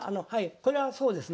これはそうですね。